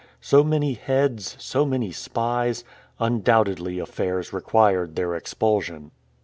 So many heads, so many spies undoubtedly affairs required their expulsion.